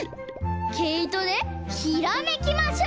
けいとでひらめきましょう！